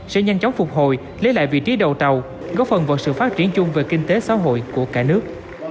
sẽ nhanh chóng phục hồi lấy lại vị trí đầu tàu góp phần vào sự phát triển chung về kinh tế xã hội của cả nước